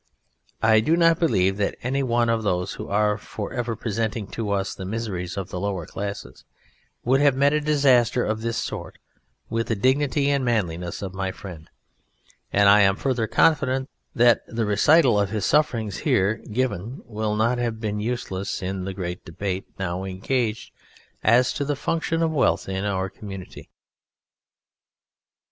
I do not believe that any one of those who are for ever presenting to us the miseries of the lower classes, would have met a disaster of this sort with the dignity and the manliness of my friend, and I am further confident that the recital of his suffering here given will not have been useless in the great debate now engaged as to the function of wealth in our community.